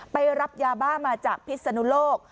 ไปรับยาบ้ามาจากพิศนุโลก